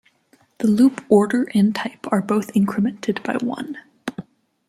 The loop order and type are both incremented by one.